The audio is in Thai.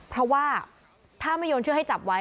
เพราะว่าถ้าไม่โยนเชือกให้จับไว้